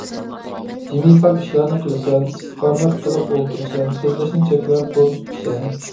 جىمى پاك ئىشلارنى قىلىسەن، ئىستىقامەت قىلىپ ئولتۇرىسەن، سۆزلەشنى چەكلەپ، روزا تۇتىسەن.